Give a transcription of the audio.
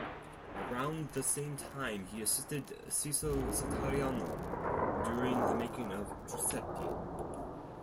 Around the same time he assisted Cecil Satariano during the making of Giuseppi.